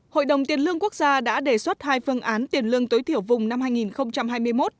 hội đồng tiền lương quốc gia đã đề xuất hai phương án tiền lương tối thiểu vùng năm hai nghìn hai mươi một